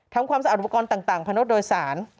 ทำความสะอาดอุปกรณ์ต่างพนดโดยสาร